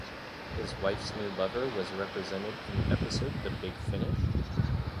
His wife's new lover was represented in the episode The Big Finish?